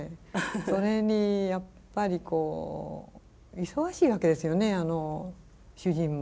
それにやっぱり忙しいわけですよね主人も。